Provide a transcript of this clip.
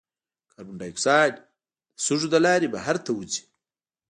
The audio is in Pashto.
کاربن ډای اکساید د سږو له لارې بهر ته وځي.